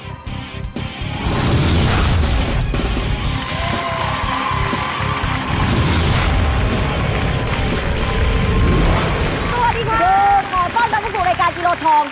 สวัสดีค่ะคือขอต้อนรับเข้าสู่รายการกิโลทอง